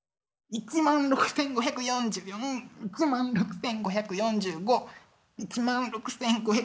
１万６，５４４１万６，５４５１万６，５４６。